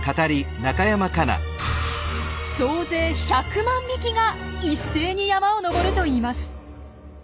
総勢１００万匹が一斉に山を登るといいます。